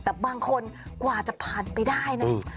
แต่บางคนกว่าจะผ่านไปได้นะ